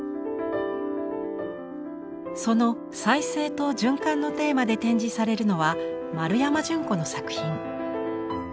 その「再生と循環」のテーマで展示されるのは丸山純子の作品。